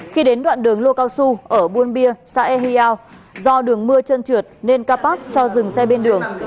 khi đến đoạn đường lua cao su ở buôn bia xã ehiau do đường mưa trơn trượt nên kapat cho dừng xe bên đường